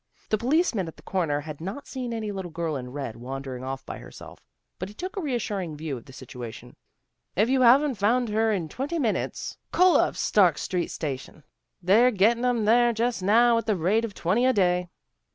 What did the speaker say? The policeman at the corner had not seen any little girl in red wandering off by herself, but he took a reassuring view of the situation. " If you haven't found her in twenty minutes 196 THE GIRLS OF FRIENDLY TERRACE call up the Stark Street station. They're getting 'em there just now at the rate of twenty a day."